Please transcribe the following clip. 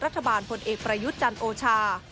ผลเอกประยุทธ์จันทร์โอชา